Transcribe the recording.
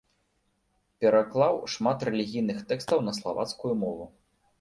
Пераклаў шмат рэлігійных тэкстаў на славацкую мову.